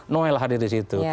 noel hadir disitu